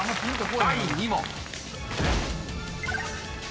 ［第２問］